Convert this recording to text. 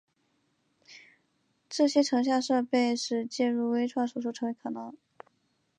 这些成像设备使介入微创手术成为可能。